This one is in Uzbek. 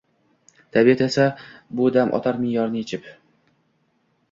Tabiat esa bu dam otar me’yorni yechib: